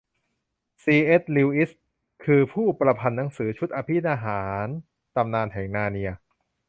ซี. เอส. ลิวอิส คือ ผู้ประพันธ์หนังสือชุด อภินิหารตำนานแห่งนาร์เนีย